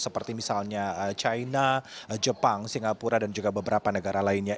seperti misalnya china jepang singapura dan juga beberapa negara lainnya